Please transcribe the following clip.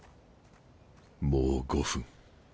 もう５分。